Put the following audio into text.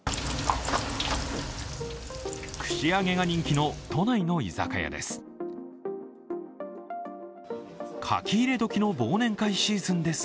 串揚げが人気の都内の居酒屋です。